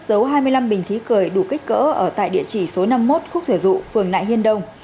giấu hai mươi năm bình khí cười đủ kích cỡ ở tại địa chỉ số năm mươi một khúc thở dụ phường nại hiên đông